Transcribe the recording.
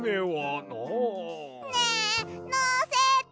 ねえのせて！